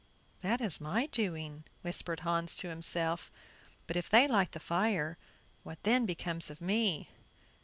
"That is my doing," whispered Hans to himself; "but if they light the fire, what then becomes of me?"